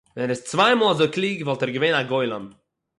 װען ער איז צװײ מאָל אַזױ קלוג, װאָלט ער געװען אַ גולם!